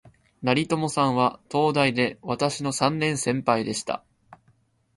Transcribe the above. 成友さんは、東大で私の三年先輩でした